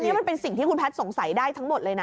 นี่มันเป็นสิ่งที่คุณแพทย์สงสัยได้ทั้งหมดเลยนะ